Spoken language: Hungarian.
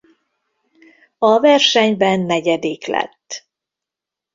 A versenyben negyedik lett.